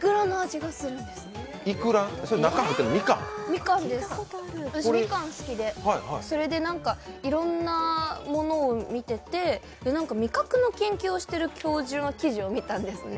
みかんです、私、みかん好きで、それでいろんなものを見ていて、味覚の研究をしている教授の記事を見たんですね。